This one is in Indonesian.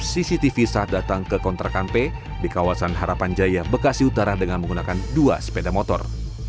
cctv sah datang ke kontrakan p di kawasan harapan jaya bekasi utara dengan menggunakan dua sepeda motor